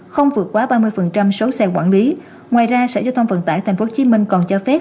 không vượt quá ba mươi số xe quản lý ngoài ra sở giao thông vận tải tp hcm còn cho phép